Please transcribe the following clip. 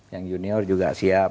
yang junior juga siap